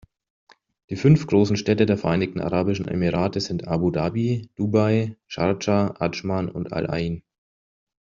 Die fünf großen Städte der Vereinigten Arabischen Emirate sind Abu Dhabi, Dubai, Schardscha, Adschman und Al-Ain.